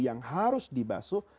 yang harus dibasuh